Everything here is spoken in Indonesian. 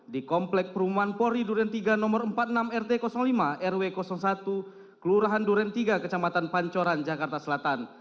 di komplek perumahan pori duren tiga nomor empat puluh enam rt lima rw satu kelurahan duren tiga kecamatan pancoran jakarta selatan